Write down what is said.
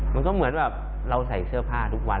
มันก็เหมือนแบบเราใส่เสื้อผ้าทุกวัน